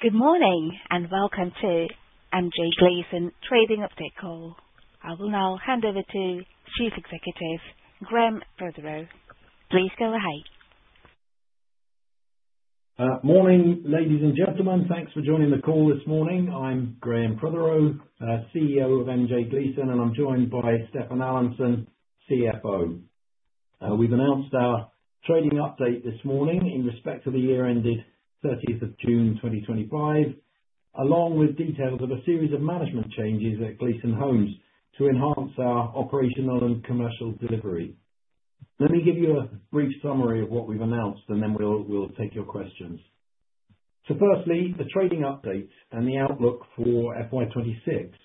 Good morning and welcome to MJ Gleeson Trading Update Call. I will now hand over to Chief Executive Graham Prothero. Please go ahead. Morning, ladies and gentlemen. Thanks for joining the call this morning. I'm Graham Prothero, CEO of MJ Gleeson, and I'm joined by Stefan Allanson, CFO. We've announced our trading update this morning in respect of the year ended 30 June 2025, along with details of a series of management changes that Gleeson hopes to enhance our operational and commercial delivery. Let me give you a brief summary of what we've announced, and then we'll take your questions. Firstly, the trading update and the outlook for FY 2026.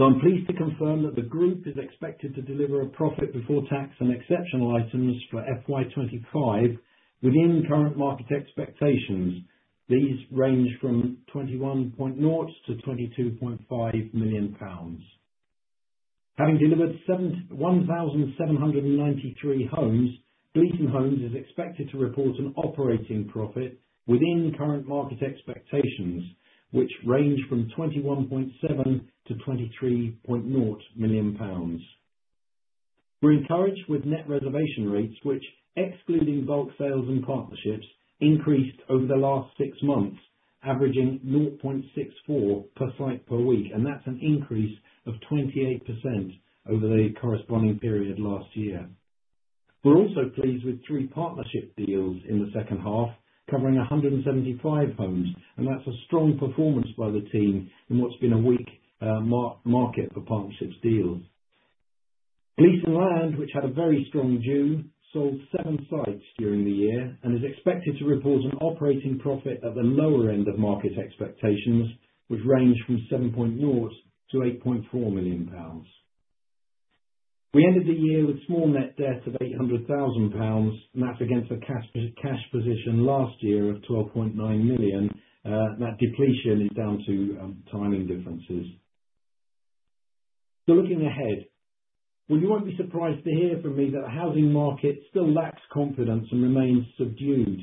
I'm pleased to confirm that the Group is expected to deliver a profit before tax and exceptional items for FY 2025 within current market expectations. These range from 21.00 million-22.5 million pounds. Having delivered 1,793 homes, Gleeson Homes is expected to report an operating profit within current market expectations, which range from 21.7 million-23.00 million pounds. We're encouraged with net reservation rates, which, excluding bulk sales and partnerships, increased over the last six months, averaging 0.64 per site per week, and that's an increase of 28% over the corresponding period last year. We're also pleased with three partnership deals in the second half, covering 175 homes, and that's a strong performance by the team in what's been a weak market for partnerships deals. Gleeson Land, which had a very strong June, sold seven sites during the year and is expected to report an operating profit at the lower end of market expectations, which range from 7.00 million-8.4 million pounds. We ended the year with small net debt of 800,000 pounds, and that's against a cash position last year of 12.9 million. That depletion is down to timing differences. Looking ahead, you won't be surprised to hear from me that the housing market still lacks confidence and remains subdued,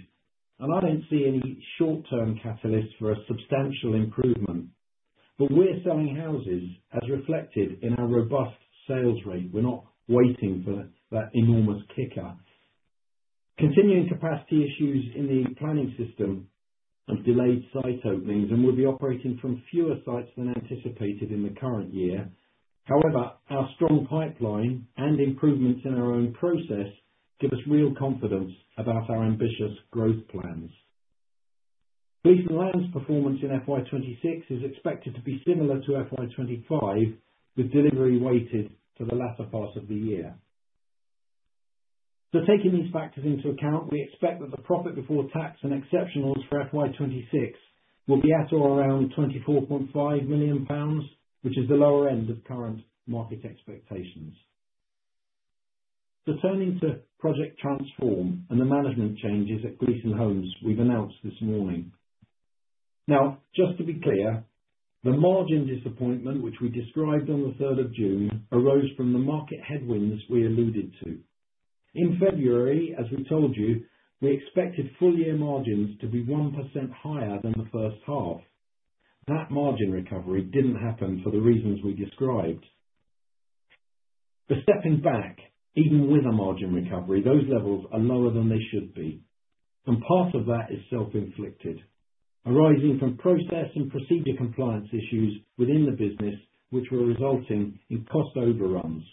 and I don't see any short-term catalysts for a substantial improvement. We're selling houses, as reflected in our robust sales rate. We're not waiting for that enormous kicker. Continuing capacity issues in the planning system have delayed site openings, and we'll be operating from fewer sites than anticipated in the current year. However, our strong pipeline and improvements in our own process give us real confidence about our ambitious growth plans. Gleeson Land's performance in FY 2026 is expected to be similar to FY 2025, with delivery weighted to the latter part of the year. Taking these factors into account, we expect that the profit before tax and exceptionals for FY 2026 will be at or around 24.5 million pounds, which is the lower end of current market expectations. Turning to Project Transform and the management changes at Gleeson Homes we've announced this morning. Now, just to be clear, the margin disappointment, which we described on June 3, arose from the market headwinds we alluded to. In February, as we told you, we expected full-year margins to be 1% higher than the first half. That margin recovery did not happen for the reasons we described. Stepping back, even with a margin recovery, those levels are lower than they should be. Part of that is self-inflicted, arising from process and procedure compliance issues within the business, which were resulting in cost overruns.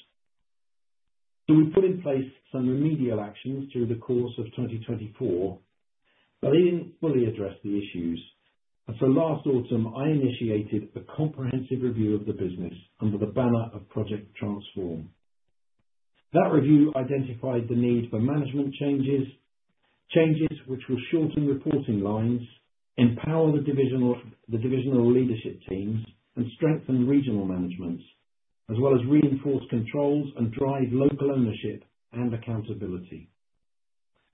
We put in place some remedial actions through the course of 2024, but they did not fully address the issues. Last autumn, I initiated a comprehensive review of the business under the banner of Project Transform. That review identified the need for management changes, changes which will shorten reporting lines, empower the divisional leadership teams, and strengthen regional managements, as well as reinforce controls and drive local ownership and accountability.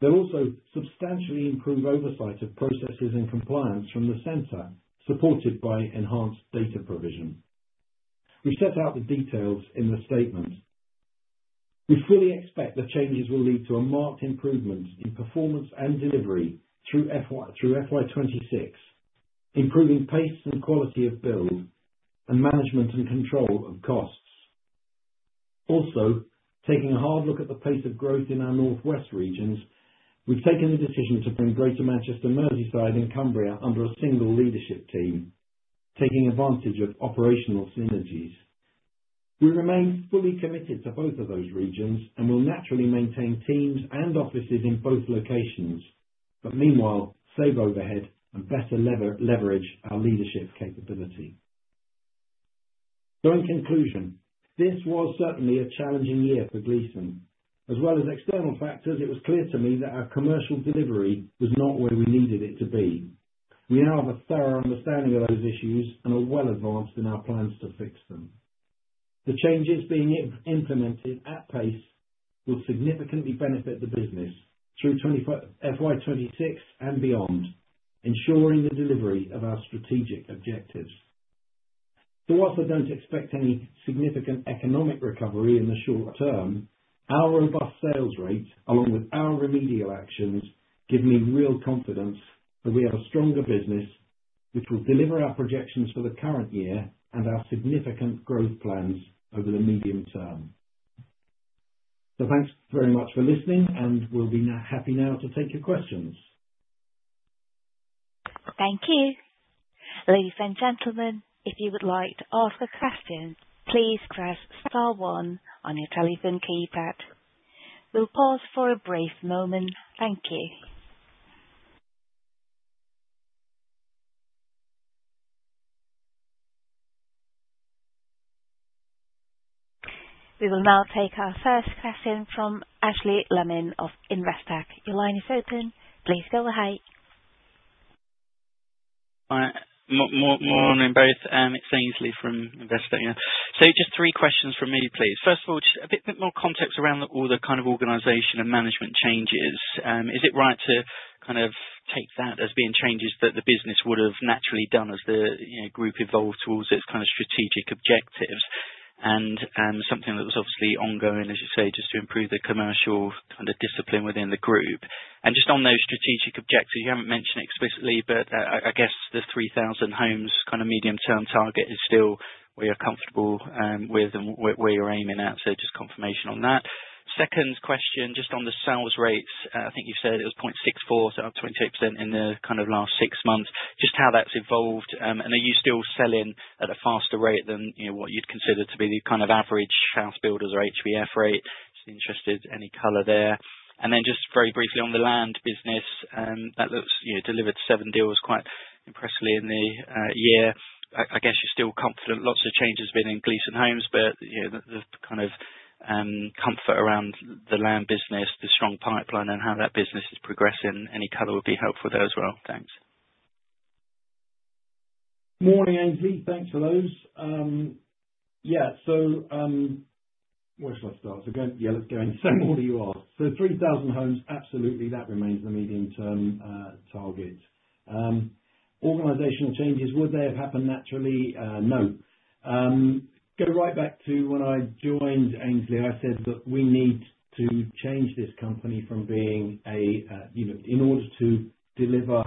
They'll also substantially improve oversight of processes and compliance from the center, supported by enhanced data provision. We set out the details in the statement. We fully expect the changes will lead to a marked improvement in performance and delivery through FY 2026, improving pace and quality of build, and management and control of costs. Also, taking a hard look at the pace of growth in our northwest regions, we've taken the decision to bring Greater Manchester, Merseyside, and Cumbria under a single leadership team, taking advantage of operational synergies. We remain fully committed to both of those regions and will naturally maintain teams and offices in both locations, but meanwhile save overhead and better leverage our leadership capability. In conclusion, this was certainly a challenging year for Gleeson. As well as external factors, it was clear to me that our commercial delivery was not where we needed it to be. We now have a thorough understanding of those issues and are well advanced in our plans to fix them. The changes being implemented at pace will significantly benefit the business through FY 2026 and beyond, ensuring the delivery of our strategic objectives. Whilst I don't expect any significant economic recovery in the short term, our robust sales rate, along with our remedial actions, give me real confidence that we have a stronger business, which will deliver our projections for the current year and our significant growth plans over the medium term. Thanks very much for listening, and we'll be happy now to take your questions. Thank you. Ladies and gentlemen, if you would like to ask a question, please press star one on your telephone keypad. We'll pause for a brief moment. Thank you. We will now take our first question from Aynsley Lammin of Investec. Your line is open. Please go ahead. Morning, both. It's Aynsley from Investec. Just three questions from me, please. First of all, just a bit more context around all the kind of organization and management changes. Is it right to kind of take that as being changes that the business would have naturally done as the Group evolved towards its kind of strategic objectives and something that was obviously ongoing, as you say, just to improve the commercial kind of discipline within the Group? Just on those strategic objectives, you haven't mentioned explicitly, but I guess the 3,000 homes kind of medium-term target is still where you're comfortable with and where you're aiming at. Just confirmation on that. Second question, just on the sales rates, I think you said it was 0.64, so up 28% in the kind of last six months. Just how that's evolved, and are you still selling at a faster rate than what you'd consider to be the kind of average house builders or HBF rate? Just interested, any color there. Then just very briefly on the land business, that looks delivered seven deals quite impressively in the year. I guess you're still confident lots of changes have been in Gleeson Homes, but the kind of comfort around the land business, the strong pipeline, and how that business is progressing, any color would be helpful there as well. Thanks. Morning, Aynsley. Thanks for those. Yeah, where should I start? Yeah, let's go in. More than you asked. 3,000 homes, absolutely, that remains the medium-term target. Organizational changes, would they have happened naturally? No. Go right back to when I joined, Aynsley. I said that we need to change this company from being a, in order to deliver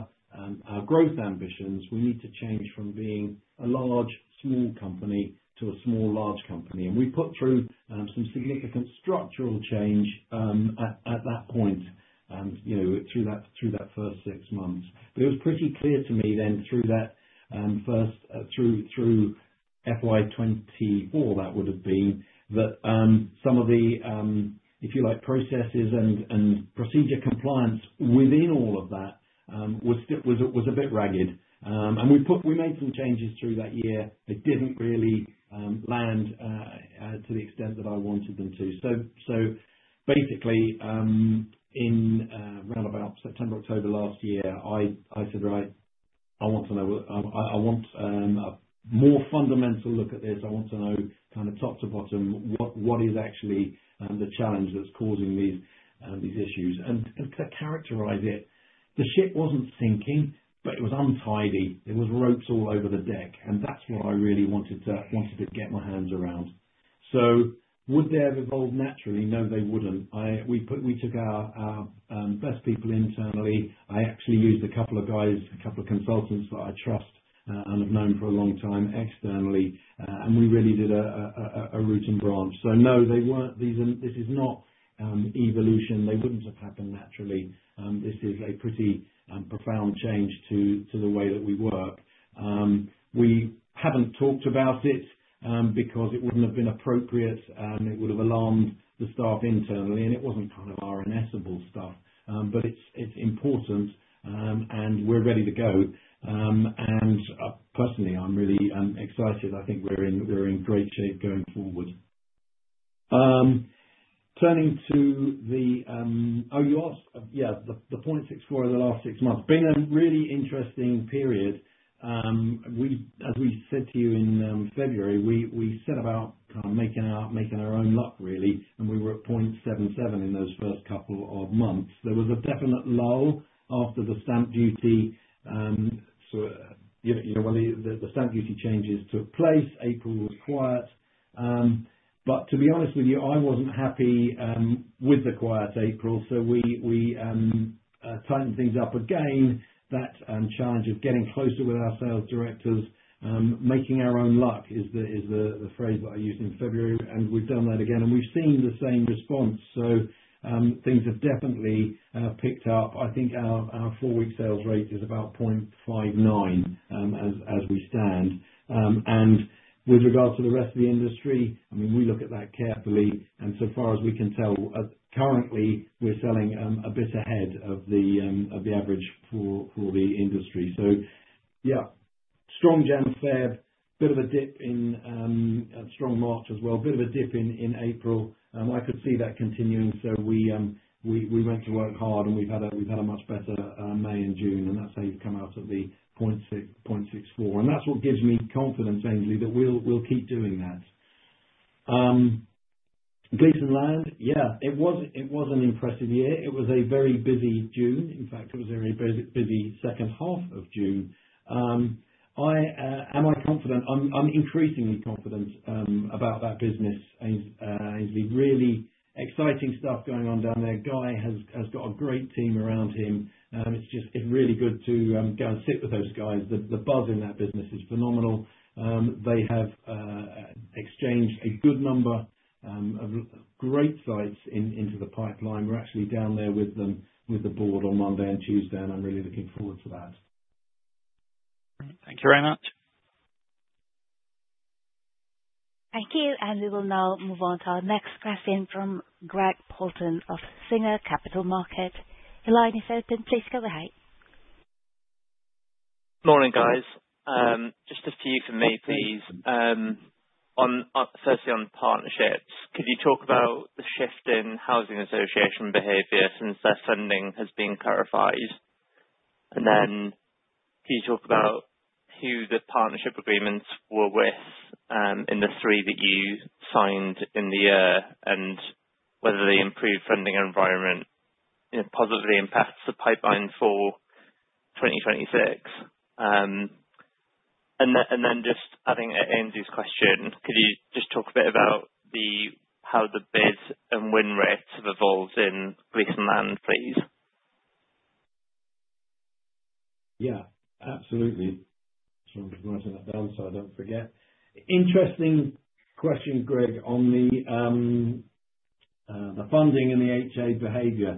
our growth ambitions, we need to change from being a large small company to a small large company. We put through some significant structural change at that point through that first six months. It was pretty clear to me then through that first, through FY 2024, that some of the, if you like, processes and procedure compliance within all of that was a bit ragged. We made some changes through that year. It did not really land to the extent that I wanted them to. Basically, in roundabout September, October last year, I said, "Right, I want to know. I want a more fundamental look at this. I want to know kind of top to bottom what is actually the challenge that is causing these issues." To characterize it, the ship was not sinking, but it was untidy. There were ropes all over the deck, and that is what I really wanted to get my hands around. Would they have evolved naturally? No, they would not. We took our best people internally. I actually used a couple of guys, a couple of consultants that I trust and have known for a long time externally, and we really did a root and branch. No, this is not evolution. They would not have happened naturally. This is a pretty profound change to the way that we work. We haven't talked about it because it wouldn't have been appropriate, and it would have alarmed the staff internally, and it wasn't kind of our inessable stuff. It is important, and we're ready to go. Personally, I'm really excited. I think we're in great shape going forward. Turning to the, oh, you asked, yeah, the 0.64 over the last six months. Been a really interesting period. As we said to you in February, we set about kind of making our own luck, really, and we were at 0.77 in those first couple of months. There was a definite lull after the stamp duty. The stamp duty changes took place. April was quiet. To be honest with you, I wasn't happy with the quiet April, so we tightened things up again. That challenge of getting closer with our sales directors, making our own luck is the phrase that I used in February, and we have done that again, and we have seen the same response. Things have definitely picked up. I think our four-week sales rate is about 0.59 as we stand. With regards to the rest of the industry, I mean, we look at that carefully, and so far as we can tell, currently, we are selling a bit ahead of the average for the industry. Yeah, strong January, February, bit of a dip in strong March as well, bit of a dip in April. I could see that continuing, so we want to work hard, and we have had a much better May and June, and that is how you have come out at the 0.64. That is what gives me confidence, Aynsley, that we will keep doing that. Gleeson Land, yeah, it was an impressive year. It was a very busy June. In fact, it was a very busy second half of June. Am I confident? I'm increasingly confident about that business, Aynsley. Really exciting stuff going on down there. Guy has got a great team around him. It's really good to go and sit with those guys. The buzz in that business is phenomenal. They have exchanged a good number of great sites into the pipeline. We're actually down there with the board on Monday and Tuesday, and I'm really looking forward to that. Thank you very much. Thank you. We will now move on to our next question from Greg Poulton of Singer Capital Markets. He's opened. Please go ahead. Morning, guys. Just a few for me, please. Firstly, on partnerships, could you talk about the shift in housing association behavior since that funding has been clarified? Could you talk about who the partnership agreements were with in the three that you signed in the year and whether the improved funding environment positively impacts the pipeline for 2026? Just adding Ainsley's question, could you just talk a bit about how the bid and win rates have evolved in Gleeson Land, please? Yeah, absolutely. I'm writing that down so I don't forget. Interesting question, Greg, on the funding and the HA behavior.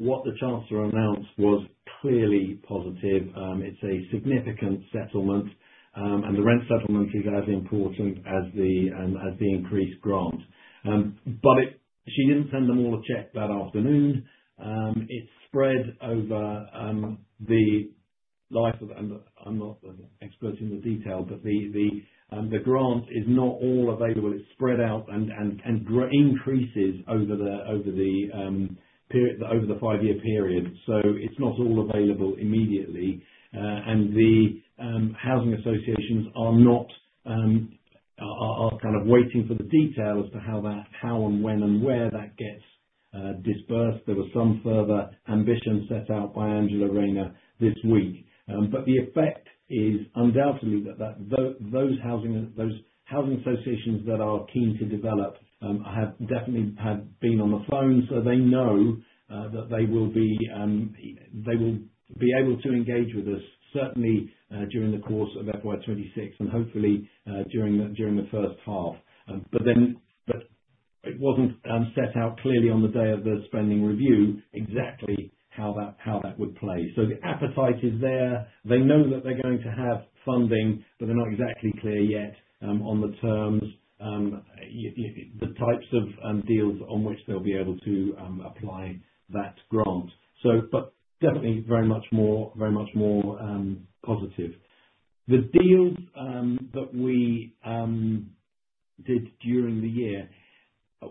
What the Chancellor announced was clearly positive. It's a significant settlement, and the rent settlement is as important as the increased grant. She didn't send them all a check that afternoon. It is spread over the life of—I am not an expert in the detail—but the grant is not all available. It is spread out and increases over the five-year period. It is not all available immediately. The housing associations are kind of waiting for the details to how and when and where that gets dispersed. There was some further ambition set out by Angela Rayner this week. The effect is undoubtedly that those housing associations that are keen to develop have definitely been on the phone, so they know that they will be able to engage with us, certainly during the course of FY 2026 and hopefully during the first half. It was not set out clearly on the day of the spending review exactly how that would play. The appetite is there. They know that they are going to have funding, but they are not exactly clear yet on the terms, the types of deals on which they will be able to apply that grant. Definitely very much more positive. The deals that we did during the year,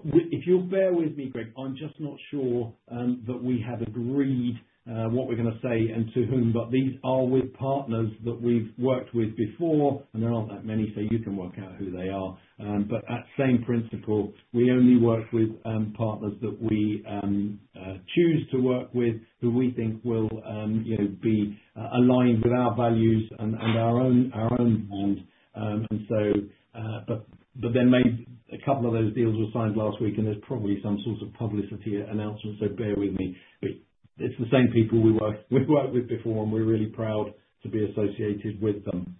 if you'll bear with me, Greg, I'm just not sure that we have agreed what we're going to say and to whom, but these are with partners that we've worked with before, and there aren't that many, so you can work out who they are. That same principle, we only work with partners that we choose to work with, who we think will be aligned with our values and our own brand. A couple of those deals were signed last week, and there's probably some sort of publicity announcement, so bear with me. It's the same people we worked with before, and we're really proud to be associated with them.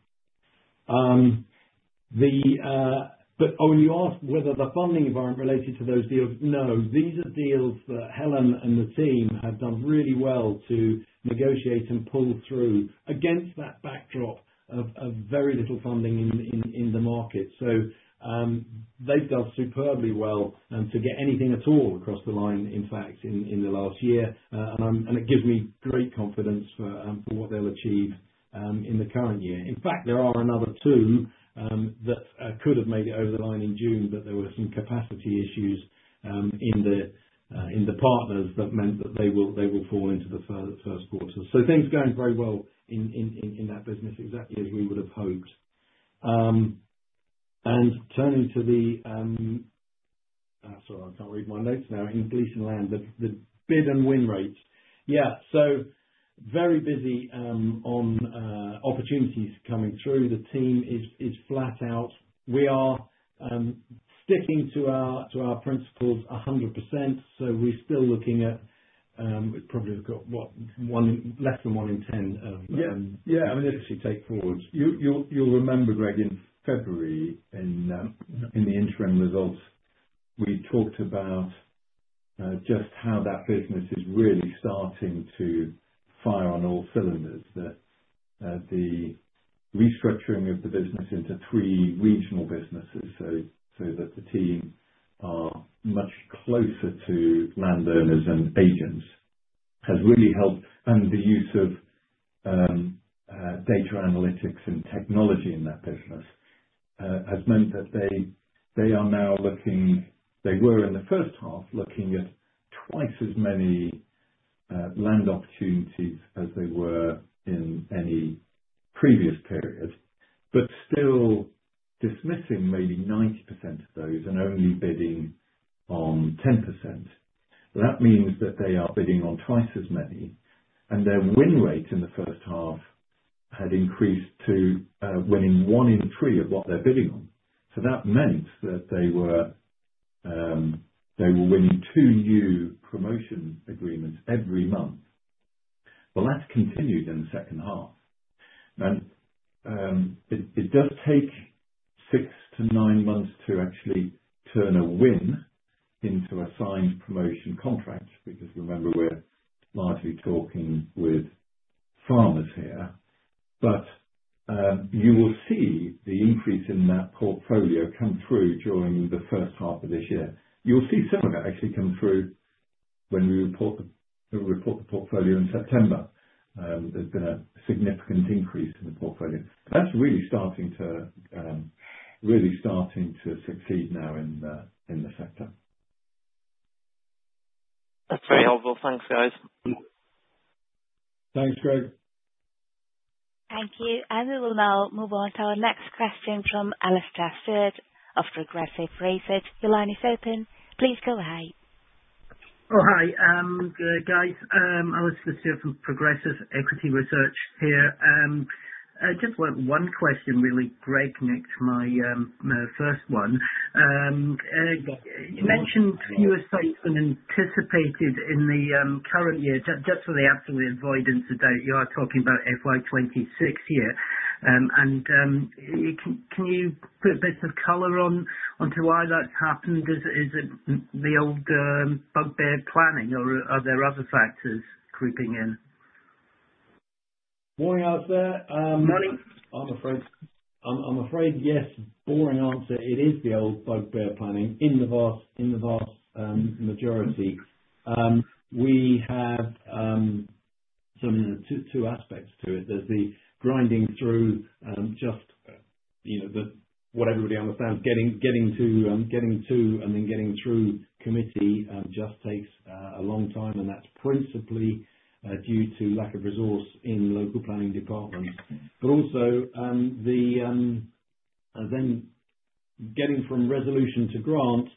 Oh, you asked whether the funding environment related to those deals? No. These are deals that Helen and the team have done really well to negotiate and pull through against that backdrop of very little funding in the market. They have done superbly well to get anything at all across the line, in fact, in the last year, and it gives me great confidence for what they will achieve in the current year. In fact, there are another two that could have made it over the line in June, but there were some capacity issues in the partners that meant that they will fall into the first quarter. Things are going very well in that business, exactly as we would have hoped. Turning to the—sorry, I cannot read my notes now—in Gleeson Land, the bid and win rates. Yeah, very busy on opportunities coming through. The team is flat out. We are sticking to our principles 100%, so we're still looking at probably less than one in ten of— yeah, I mean, let's just take forward. You'll remember, Greg, in February, in the interim results, we talked about just how that business is really starting to fire on all cylinders. The restructuring of the business into three regional businesses, so that the team are much closer to landowners and agents, has really helped. The use of data analytics and technology in that business has meant that they are now looking—they were in the first half looking at twice as many land opportunities as they were in any previous period, but still dismissing maybe 90% of those and only bidding on 10%. That means that they are bidding on twice as many, and their win rate in the first half had increased to winning one in three of what they're bidding on. That meant that they were winning two new promotion agreements every month. That has continued in the second half. It does take six to nine months to actually turn a win into a signed promotion contract because remember, we're largely talking with farmers here. You will see the increase in that portfolio come through during the first half of this year. You'll see some of that actually come through when we report the portfolio in September. There's been a significant increase in the portfolio. That's really starting to succeed now in the sector. That's very helpful. Thanks, guys. Thanks, Greg. Thank you. We will now move on to our next question from Alistair Stewart of Progressive Equity Research. The line is open. Please go ahead. Oh, hi. Guys, Alistair Stewart from Progressive Equity Research here. Just one question, really, Greg, next to my first one. You mentioned fewer sites than anticipated in the current year. Just for the absolute avoidance of doubt, you are talking about FY 2026 here. And can you put a bit of color onto why that's happened? Is it the old bugbear planning, or are there other factors creeping in? Boring answer. Morning. I'm afraid yes, boring answer. It is the old bugbear planning in the vast majority. We have two aspects to it. There's the grinding through just what everybody understands, getting to and then getting through committee just takes a long time, and that's principally due to lack of resource in local planning departments. Also, then getting from resolution to grant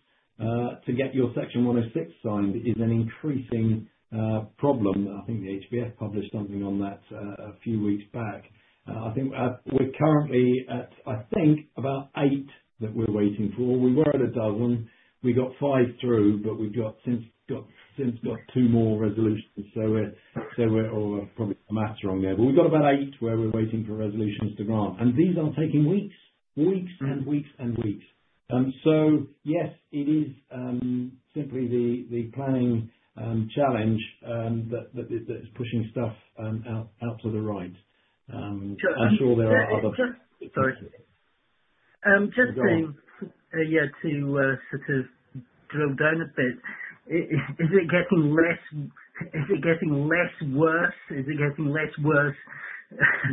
to get your Section 106 signed is an increasing problem. I think the HBF published something on that a few weeks back. I think we're currently at, I think, about eight that we're waiting for. We were at a dozen. We got five through, but we've since got two more resolutions. We're probably a mass wrong there. We've got about eight where we're waiting for resolutions to grant. These are taking weeks, weeks, and weeks, and weeks. Yes, it is simply the planning challenge that is pushing stuff out to the right. I'm sure there are other. Sorry. Just saying, yeah, to sort of drill down a bit, is it getting less worse? Is it getting less worse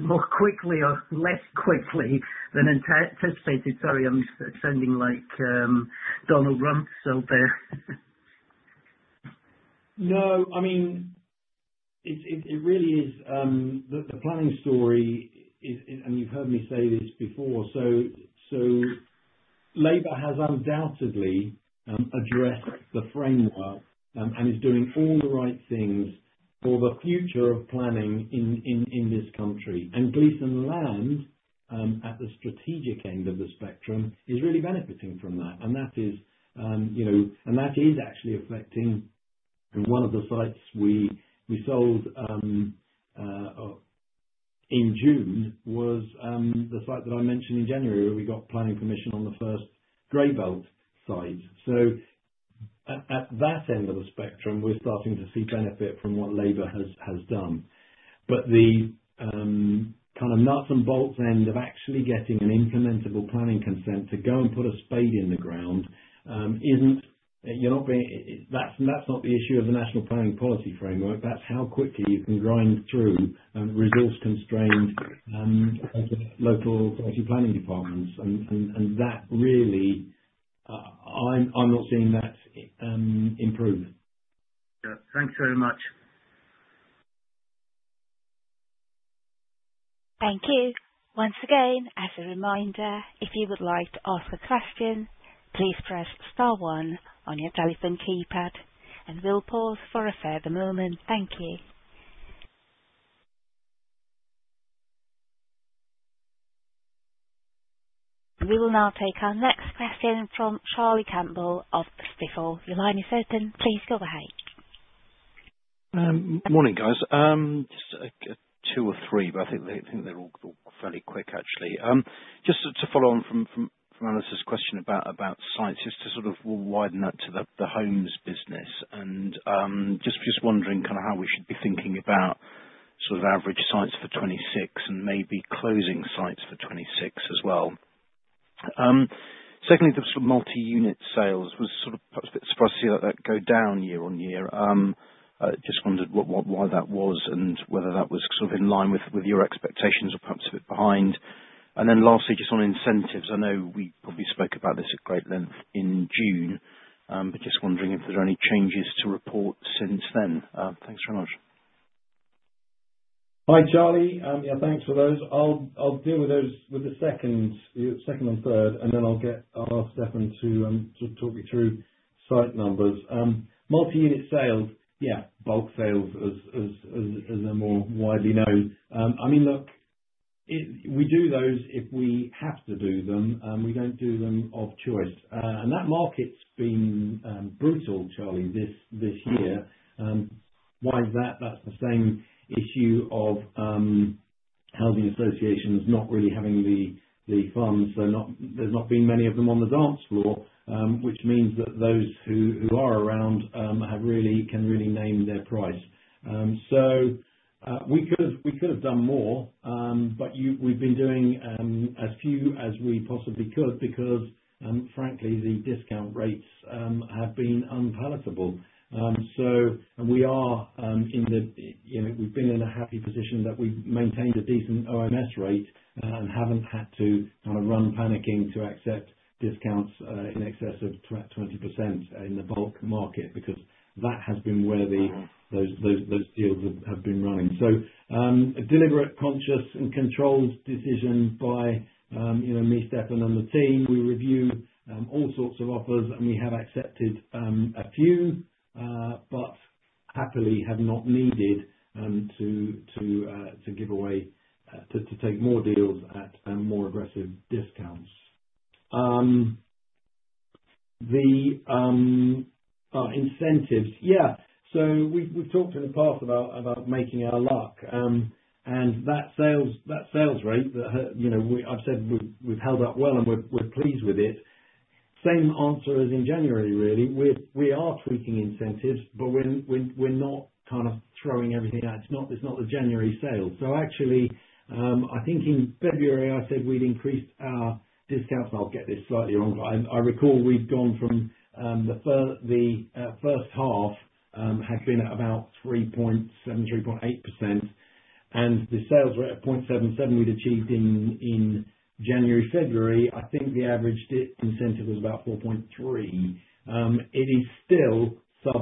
more quickly or less quickly than anticipated? Sorry, I'm sounding like Donald Trump, so bear. No. I mean, it really is the planning story, and you've heard me say this before. Labour has undoubtedly addressed the framework and is doing all the right things for the future of planning in this country. Gleeson Land, at the strategic end of the spectrum, is really benefiting from that. That is actually affecting one of the sites we sold in June, which was the site that I mentioned in January where we got planning permission on the first grey belt site. At that end of the spectrum, we're starting to see benefit from what Labour has done. The kind of nuts and bolts end of actually getting an implementable planning consent to go and put a spade in the ground, you're not being—that's not the issue of the National Planning Policy Framework. That's how quickly you can grind through resource-constrained local authority planning departments. That really—I'm not seeing that improve. Yeah, thanks very much. Thank you. Once again, as a reminder, if you would like to ask a question, please press star one on your telephone keypad, and we'll pause for a further moment. Thank you. We will now take our next question from Charlie Campbell of Stifel. The line is open. Please go ahead. Morning, guys. Just two or three, but I think they're all fairly quick, actually. Just to follow on from Alistair's question about sites, just to sort of widen that to the homes business. Just wondering kind of how we should be thinking about sort of average sites for 2026 and maybe closing sites for 2026 as well. Secondly, the sort of multi-unit sales was sort of perhaps a bit surprised to see that go down year on year. Just wondered why that was and whether that was sort of in line with your expectations or perhaps a bit behind. Lastly, just on incentives, I know we probably spoke about this at great length in June, but just wondering if there are any changes to report since then. Thanks very much. Hi, Charlie. Yeah, thanks for those. I'll deal with the second and third, and then I'll ask Stefan to talk you through site numbers. Multi-unit sales, yeah, bulk sales as they're more widely known. I mean, look, we do those if we have to do them. We don't do them of choice. That market's been brutal, Charlie, this year. Why is that? That's the same issue of housing associations not really having the funds. There's not been many of them on the dance floor, which means that those who are around can really name their price. We could have done more, but we've been doing as few as we possibly could because, frankly, the discount rates have been unpalatable. We are in the—we have been in a happy position that we have maintained a decent OMS rate and have not had to kind of run panicking to accept discounts in excess of 20% in the bulk market because that has been where those deals have been running. A deliberate, conscious, and controlled decision by me, Stefan, and the team. We review all sorts of offers, and we have accepted a few, but happily have not needed to give away, to take more deals at more aggressive discounts. The incentives, yeah. We have talked in the past about making our luck. That sales rate that I have said we have held up well and we are pleased with it. Same answer as in January, really. We are tweaking incentives, but we are not kind of throwing everything out. It is not the January sale. Actually, I think in February, I said we'd increased our discounts. I'll get this slightly wrong, but I recall we'd gone from the first half had been at about 3.7%-3.8%, and the sales were at 0.77 we'd achieved in January, February. I think the average incentive was about 4.3%. It is still sub-5%. I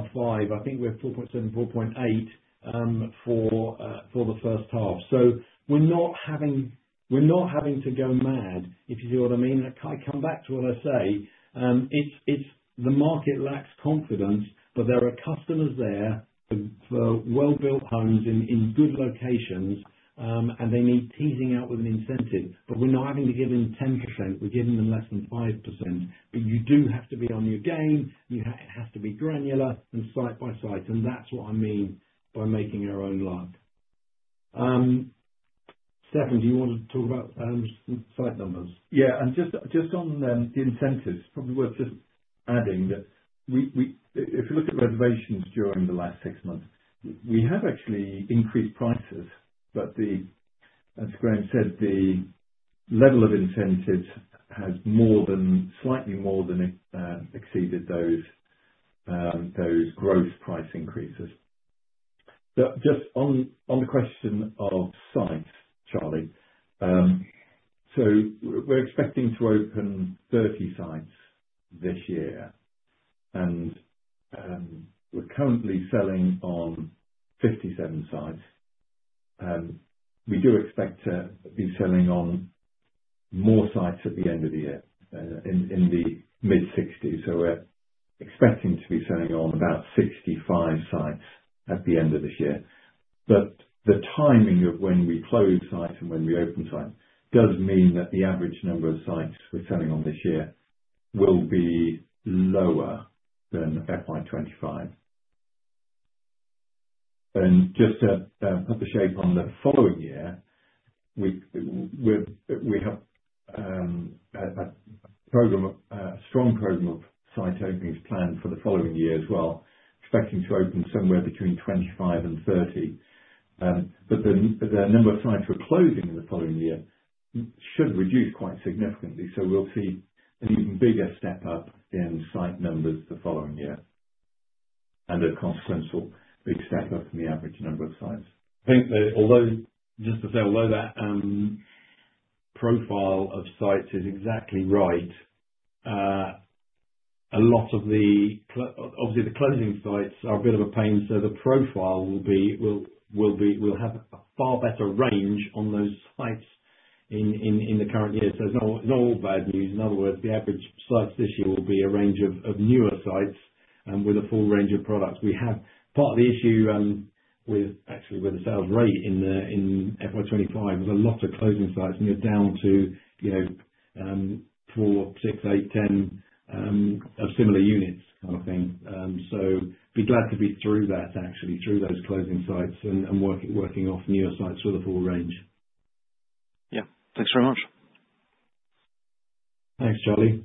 think we're 4.7%-4.8% for the first half. We're not having to go mad, if you see what I mean. I come back to what I say. The market lacks confidence, but there are customers there for well-built homes in good locations, and they need teasing out with an incentive. We're not having to give them 10%. We're giving them less than 5%. You do have to be on your game. It has to be granular and site by site. That's what I mean by making our own luck. Stefan, do you want to talk about site numbers? Yeah. And just on the incentives, probably worth just adding that if you look at reservations during the last six months, we have actually increased prices. As Graham said, the level of incentives has slightly more than exceeded those gross price increases. Just on the question of sites, Charlie, we are expecting to open 30 sites this year, and we are currently selling on 57 sites. We do expect to be selling on more sites at the end of the year in the mid-60s. We are expecting to be selling on about 65 sites at the end of this year. The timing of when we close sites and when we open sites does mean that the average number of sites we are selling on this year will be lower than FY 2025. Just to put the shape on the following year, we have a strong program of site openings planned for the following year as well, expecting to open somewhere between 2025 and 2030. The number of sites we're closing in the following year should reduce quite significantly. We will see an even bigger step up in site numbers the following year and a consequential big step up in the average number of sites. Although, just to say, although that profile of sites is exactly right, a lot of the, obviously, the closing sites are a bit of a pain. The profile will have a far better range on those sites in the current year. It's not all bad news. In other words, the average sites this year will be a range of newer sites with a full range of products. We have part of the issue with, actually, with the sales rate in FY 2025 was a lot of closing sites, and we're down to four, six, eight, ten of similar units kind of thing. Be glad to be through that, actually, through those closing sites and working off newer sites for the full range. Yeah, thanks very much. Thanks, Charlie.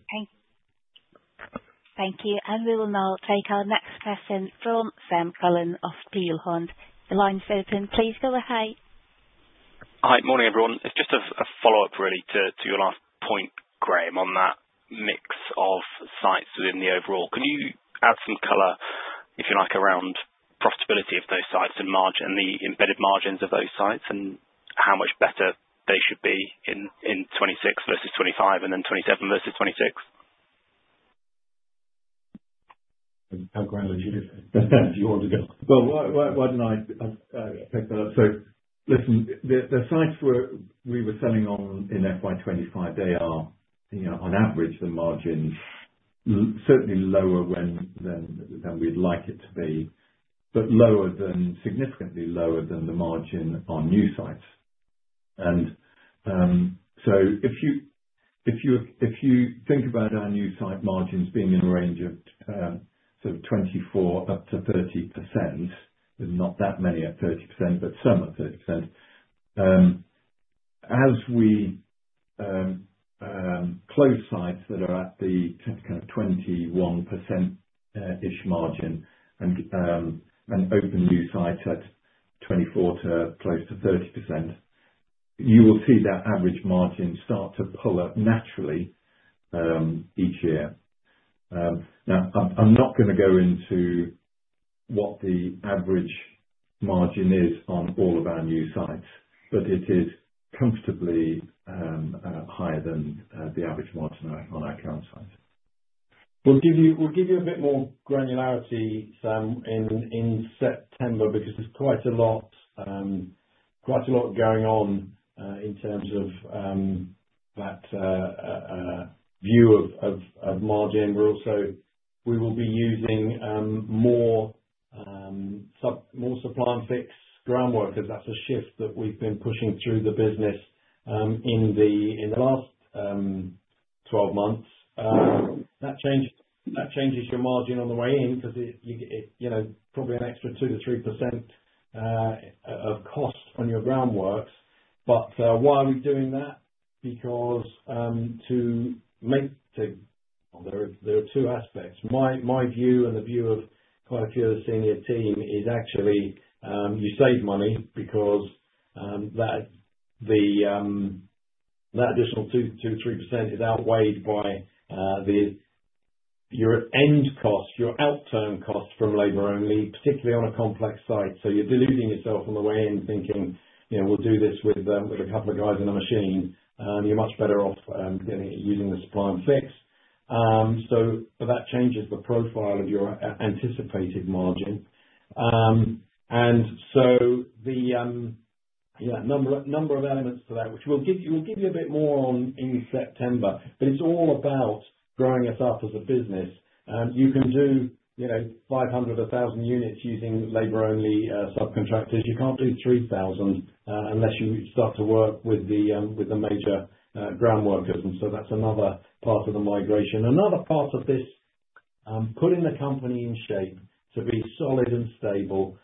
Thank you. We will now take our next question from Sam Collin of Peel Hunt. The line's open. Please go ahead. Hi. Morning, everyone. It's just a follow-up, really, to your last point, Graham, on that mix of sites within the overall. Can you add some color, if you like, around profitability of those sites and the embedded margins of those sites and how much better they should be in 2026 versus 2025 and then 2027 versus 2026? How grand is your—why do I not pick that up? Listen, the sites we were selling on in FY 2025, they are, on average, the margins certainly lower than we would like it to be, but significantly lower than the margin on new sites. If you think about our new site margins being in a range of 24%-30%, not that many at 30%, but some at 30%, as we close sites that are at the kind of 21%-ish margin and open new sites at 24%-close to 30%, you will see that average margin start to pull up naturally each year. I am not going to go into what the average margin is on all of our new sites, but it is comfortably higher than the average margin on our current sites. We'll give you a bit more granularity, Sam, in September because there's quite a lot going on in terms of that view of margin. We will be using more supply and fix groundwork because that's a shift that we've been pushing through the business in the last 12 months. That changes your margin on the way in because it's probably an extra 2%-3% of cost on your groundworks. Why are we doing that? There are two aspects. My view and the view of quite a few of the senior team is actually you save money because that additional 2%-3% is outweighed by your end cost, your out-turn cost from labor only, particularly on a complex site. You're deluding yourself on the way in thinking, "We'll do this with a couple of guys and a machine." You're much better off using the supply and fix. That changes the profile of your anticipated margin. Yeah, number of elements to that, which we'll give you a bit more on in September, but it's all about growing us up as a business. You can do 500, 1,000 units using labor-only subcontractors. You can't do 3,000 unless you start to work with the major groundworkers. That's another part of the migration. Another part of this: putting the company in shape to be solid and stable,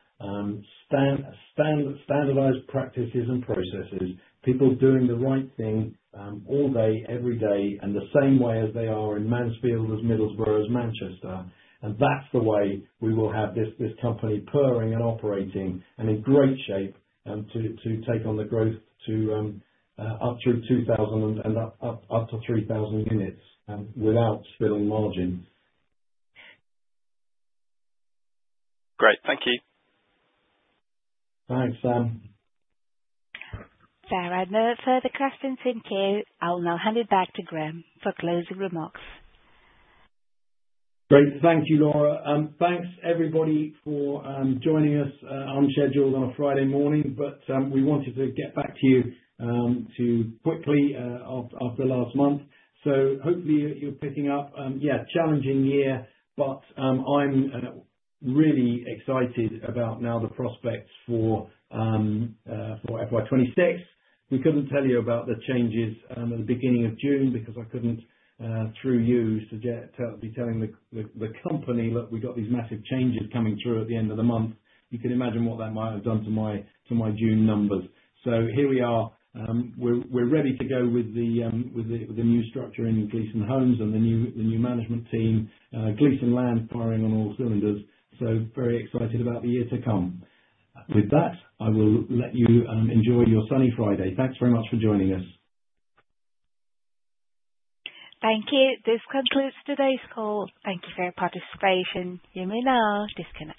standardized practices and processes, people doing the right thing all day, every day, and the same way as they are in Mansfield, as Middlesbrough, as Manchester. That's the way we will have this company purring and operating and in great shape to take on the growth up through 2,000 and up to 3,000 units without spilling margin. Great. Thank you. Thanks, Sam. Fair, Admiral. Further questions in queue. I'll now hand it back to Graham for closing remarks. Great. Thank you, Laura. Thanks, everybody, for joining us unscheduled on a Friday morning, but we wanted to get back to you quickly after last month. Hopefully, you're picking up, yeah, a challenging year, but I'm really excited about now the prospects for FY 2026. We could not tell you about the changes at the beginning of June because I could not, through you, be telling the company, "Look, we've got these massive changes coming through at the end of the month." You can imagine what that might have done to my June numbers. Here we are. We're ready to go with the new structure in Gleeson Homes and the new management team, Gleeson Land firing on all cylinders. Very excited about the year to come. With that, I will let you enjoy your sunny Friday. Thanks very much for joining us. Thank you. This concludes today's call. Thank you for your participation. You may now disconnect.